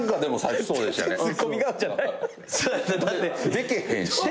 でけへんし。